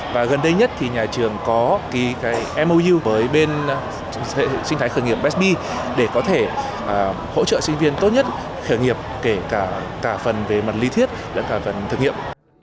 và gần đây nhất thì nhà trường có ký mou với bên sinh thái khởi nghiệp besb để có thể hỗ trợ sinh viên tốt nhất khởi nghiệp kể cả phần về mặt lý thiết và cả phần thực nghiệp